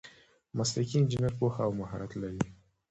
مسلکي انجینر پوهه او مهارت لري.